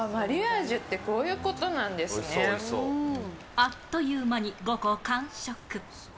あっという間に５個完食。